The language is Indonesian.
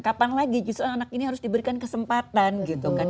kapan lagi justru anak ini harus diberikan kesempatan gitu kan